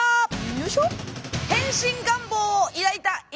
よいしょ！